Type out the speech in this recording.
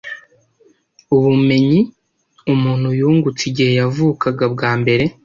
Ubumenyi umuntu yungutse igihe yavukaga bwa mbere